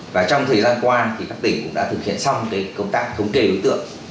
và trong thời gian qua thì các tỉnh cũng đã thực hiện xong công tác thống kê đối tượng